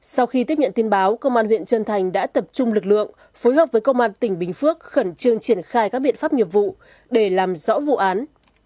sau khi tiếp nhận tin báo công an huyện trân thành đã tập trung lực lượng phối hợp với công an tỉnh bình phước khẩn trương triển khai các biện pháp nghiệp vụ để làm rõ vụ án